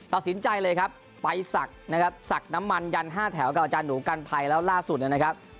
ตัดสินใจเลยครับไปศักดิ์นะครับศักดิ์น้ำมันยัน๕แถวกับอาจารย์หนูกันภัยแล้วล่าสุดนะครับ